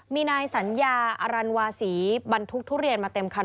มีนายสัญญาอรันวาศีบรรทุกทุเรียนมาเต็มคัน